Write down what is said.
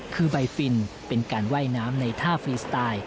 คือใบฟินเป็นการว่ายน้ำในท่าฟรีสไตล์